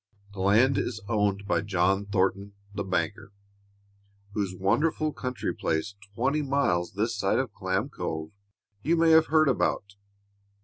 The land is owned by John Thornton, the banker, whose wonderful country place, twenty miles this side of Clam Cove, you may have heard about.